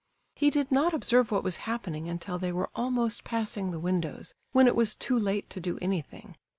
He did not observe what was happening until they were almost passing the windows, when it was too late to do anything.